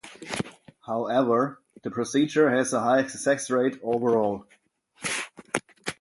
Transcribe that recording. However, the procedure has a high success rate overall.